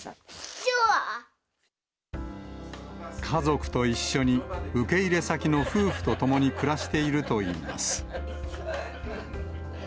家族と一緒に受け入れ先の夫婦と共に暮らしているといいます。